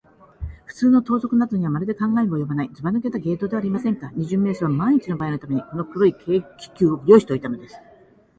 ふつうの盗賊などには、まるで考えもおよばない、ずばぬけた芸当ではありませんか。二十面相はまんいちのばあいのために、この黒い軽気球を用意しておいたのです。